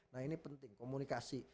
nah ini penting komunikasi